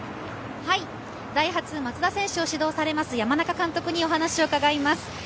ダイハツ・松田選手を指導されます山中監督にお話を伺います。